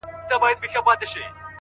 نه د عقل يې خبر د چا منله.!